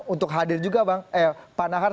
untuk hadir juga pak nahar